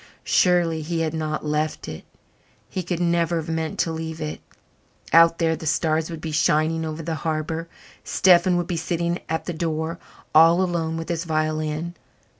Surely he had not left it he could never have meant to leave it. Out there the stars would be shining over the harbour. Stephen would be sitting at the door, all alone, with his violin.